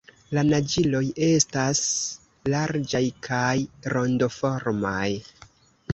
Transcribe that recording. La naĝiloj estas larĝaj kaj rondoformaj.